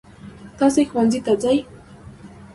تاسې ښوونځي ته ځئ.